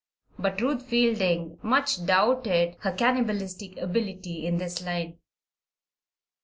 But Ruth Fielding much doubted her cannibalistic ability in this line.